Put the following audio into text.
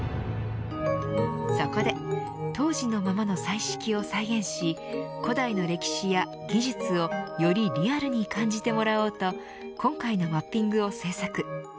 そこで当時のままの彩色を再現し古代の歴史や技術をよりリアルに感じてもらおうと今回のマッピングを制作。